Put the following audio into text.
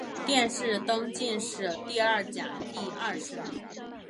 殿试登进士第二甲第二十名。